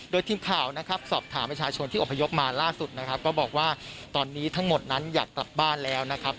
โดยทีมข่าวนะครับสอบถามประชาชนที่อพยพมาล่าสุดนะครับก็บอกว่าตอนนี้ทั้งหมดนั้นอยากกลับบ้านแล้วนะครับ